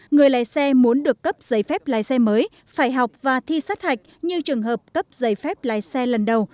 người lái xe muốn được cấp giấy phép lái xe mới phải học và thi sát hạch như trường hợp cấp giấy phép lái xe lần đầu